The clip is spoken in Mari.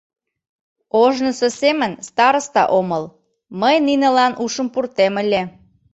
Ожнысо семын староста омыл, мый нинылан ушым пуртем ыле...